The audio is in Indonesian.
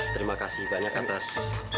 terima kasih banyak atas